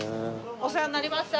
お世話になりました。